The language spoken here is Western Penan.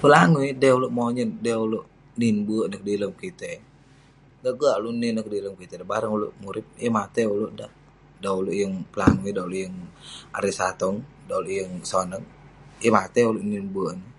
Pelangui dey ulouk monyet, dey ulouk nin berk kedilem kitey, gak gak ulouk nin neh kedilem kitey bareng ulouk murip, yeng matai ulouk dak..dan ulouk yeng pelangui, dan ulouk yeng satong, dan ulouk yeng sonep, yeng matai ulouk nin berk ineh